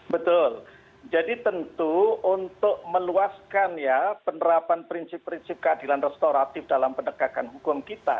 betul jadi tentu untuk meluaskan ya penerapan prinsip prinsip keadilan restoratif dalam penegakan hukum kita